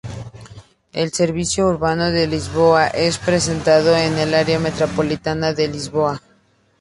El servicio Urbano de Lisboa es prestado en el área metropolitana de Lisboa.